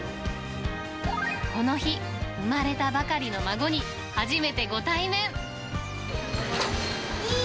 この日、生まれたばかりの孫に初めてご対面。